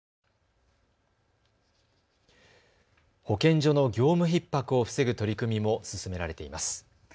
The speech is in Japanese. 保健所の業務ひっ迫を防ぐ取り組みも進められています。